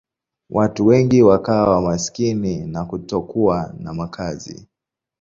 Watu wengi wakawa maskini na kutokuwa na makazi.